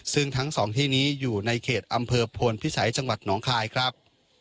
ซึ่งทั้งสองที่นี้อยู่ในเขตอำเภอพลพิสัยจังหวัดหนองคายครับ